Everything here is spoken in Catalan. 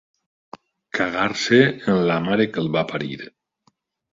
Cagar-se en la mare que el va parir.